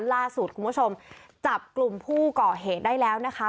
ล่าสุดคุณผู้ชมจับกลุ่มผู้ก่อเหตุได้แล้วนะคะ